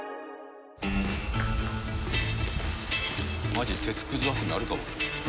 マジ鉄くず集めあるかも。